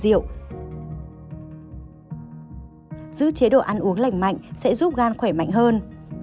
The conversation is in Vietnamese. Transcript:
giữ chế độ ăn uống lành mạnh sẽ giúp gan khỏe mạnh hơn